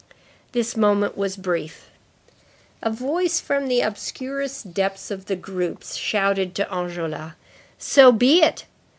This moment was brief. A voice from the obscurest depths of the groups shouted to Enjolras: "So be it.